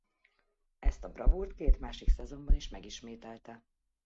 Ezt a bravúrt két másik szezonban is megismételte.